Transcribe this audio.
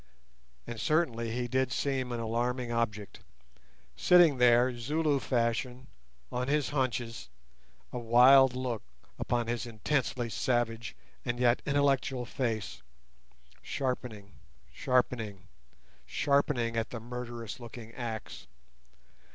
And certainly he did seem an alarming object—sitting there, Zulu fashion, on his haunches, a wild look upon his intensely savage and yet intellectual face, sharpening, sharpening, sharpening at the murderous looking axe.